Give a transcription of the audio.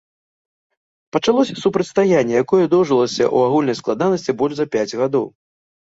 Пачалося супрацьстаянне, якое доўжылася ў агульнай складанасці больш за пяць гадоў.